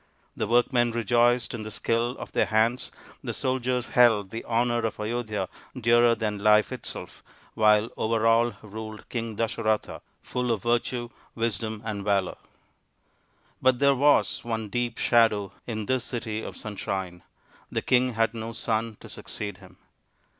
The workmen rejoiced in the skill of their hands, the soldiers held the honour of Ayodhya dearer than life itself, while over all ruled King Dasaratha, full of virtue, wisdom, and valour. But there was one deep shadow in this city of sunshine. The king had no son to succeed him.